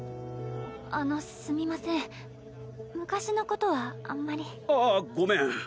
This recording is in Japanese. あのすみません昔のことはあんまり。ああごめん。